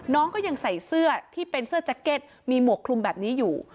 น้องก็ยังใส่เสื้อที่เป็นเสื้อแจ็คเก็ตมีหมวกคลุมแบบนี้อยู่